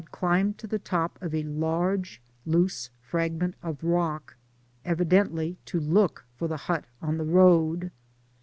climbed to the top of a large loose fragment of rock, evidently to look for the hut on the road.